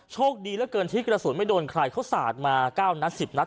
โชคดีเหลือเกินที่กระสุนไม่โดนใครเขาสาดมา๙นัด๑๐นัด